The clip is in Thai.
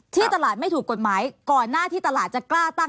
ที่ตลาดไม่ถูกกฎหมายก่อนหน้าที่ตลาดจะกล้าตั้ง